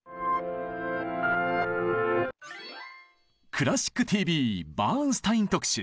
「クラシックＴＶ」バーンスタイン特集。